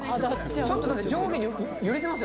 ちょっと上下に揺れてますよ